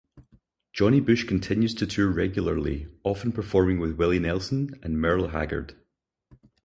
Johnny Bush continues to tour regularly, often performing with Willie Nelson and Merle Haggard.